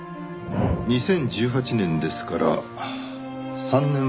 ２０１８年ですから３年前ですね。